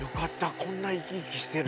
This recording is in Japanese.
こんな生き生きしてる吉住